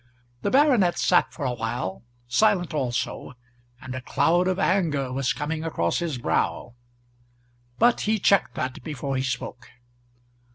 The baronet sat for a while, silent also, and a cloud of anger was coming across his brow; but he checked that before he spoke.